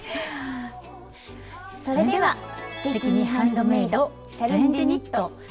それでは「すてきにハンドメイド」「チャンレジニット」始めます！